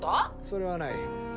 それはない。